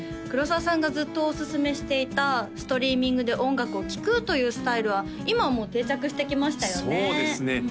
黒澤さんがずっとおすすめしていたストリーミングで音楽を聴くというスタイルは今もう定着してきましたよね